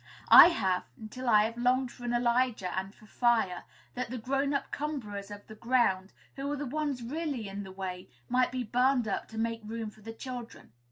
I have, until I have longed for an Elijah and for fire, that the grown up cumberers of the ground, who are the ones really in the way, might be burned up, to make room for the children.